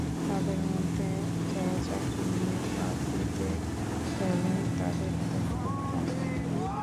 তাঁদের মধ্যে যাঁরা চাকরি নিয়ে ক্লাবগুলোতে খেলেন, তাঁদের বেতন খুব কম।